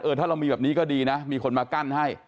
ถ้าเรามีแบบนี้ก็ดีนะมีคนมากั้นให้